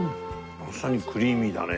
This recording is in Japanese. まさにクリーミーだね。